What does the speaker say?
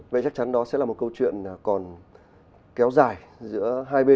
vậy chắc chắn đó sẽ là một câu chuyện còn kéo dài giữa hai bên